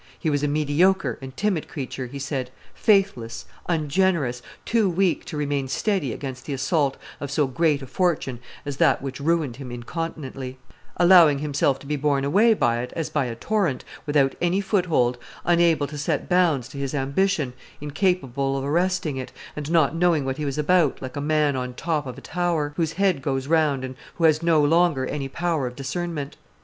"He was a mediocre and timid creature," he said, "faithless, ungenerous, too weak to remain steady against the assault of so great a fortune as that which ruined him incontinently; allowing himself to be borne away by it as by a torrent, without any foothold, unable to set bounds to his ambition, incapable of arresting it, and not knowing what he was about, like a man on the top of a tower, whose head goes round and who has no longer any power of discernment.